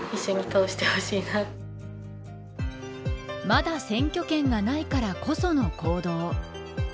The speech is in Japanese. まだ選挙権がないからこその行動。